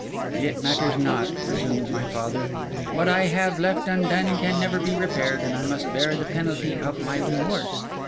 'It matters not,' resumed my father. 'What I have left undone can never be repaired, and I must bear the penalty of my remorse.